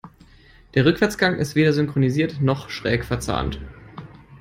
Der Rückwärtsgang ist weder synchronisiert noch schräg verzahnt.